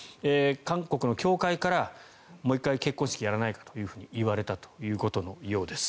韓国の教会からもう１回、結婚式をやらないかと言われたということのようです。